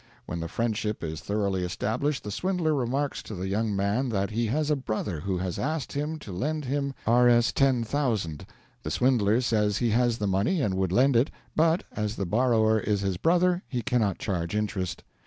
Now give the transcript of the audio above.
When the friendship is thoroughly established, the swindler remarks to the young man that he has a brother who has asked him to lend him Rs.10,000. The swindler says he has the money and would lend it; but, as the borrower is his brother, he cannot charge interest.